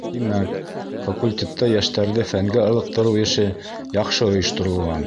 — Тимәк, факультетта йәштәрҙе фәнгә ылыҡтырыу эше яҡшы ойошторолған.